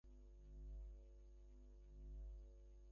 শোবার ঘরের দরজা লাগিয়ে এলেন বারান্দায়।